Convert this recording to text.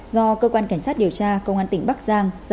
do cơ quan cảnh sát điều tra công an tỉnh bắc giang